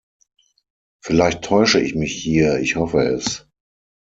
Vielleicht täusche ich mich hier, ich hoffe es.